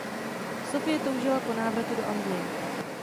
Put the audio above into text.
Sophie toužila po návratu do Anglie.